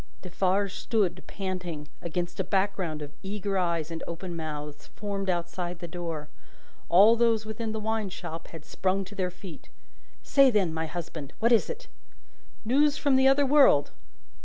Defarge stood, panting, against a background of eager eyes and open mouths, formed outside the door; all those within the wine shop had sprung to their feet. "Say then, my husband. What is it?" "News from the other world!"